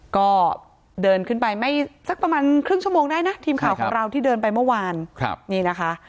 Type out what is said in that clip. ก็เดินขึ้นไปไม่สักประมาณครึ่งชั่วโมงได้นะทีมข่าวของเราที่เดินไปเมื่อวานนี่นะคะ